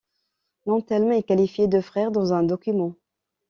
Nantelme est qualifié de frère dans un document.